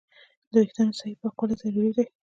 د وېښتیانو صحیح پاکوالی ضروري دی.